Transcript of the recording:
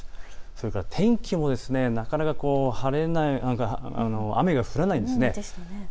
それから天気もなかなか晴れない雨が降らないんです。